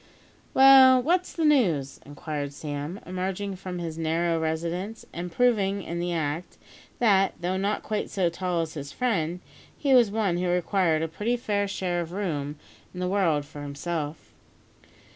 "Well, what's the news?" inquired Sam, emerging from his narrow residence, and proving in the act, that, though not quite so tall as his friend, he was one who required a pretty fair share of room in the world for himself.